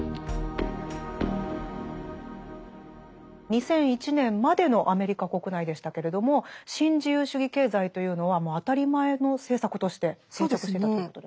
２００１年までのアメリカ国内でしたけれども新自由主義経済というのはもう当たり前の政策として定着してたということで？